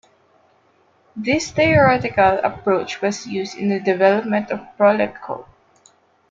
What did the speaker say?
This theoretical approach was used in the development of Proletkult.